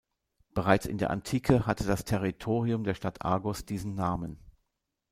Bereits in der Antike hatte das Territorium der Stadt Argos diesen Namen.